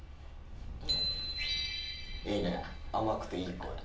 いいね甘くていい声。